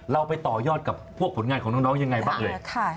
เราไปต่อยอดกับพวกผลงานของน้องยังไงบ้างเลย